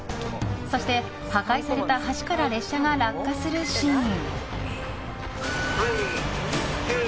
そして、破壊された橋から列車が落下するシーン。